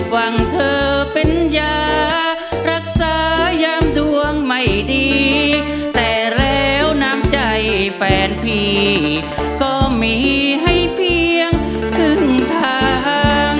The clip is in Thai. หวังเธอเป็นยารักษายามดวงไม่ดีแต่แล้วน้ำใจแฟนพี่ก็มีให้เพียงครึ่งทาง